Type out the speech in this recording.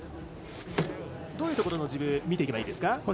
どういうところのジブ見ていけばいいですか。